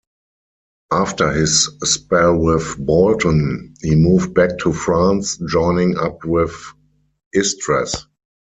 After his spell with Bolton, he moved back to France, joining up with Istres.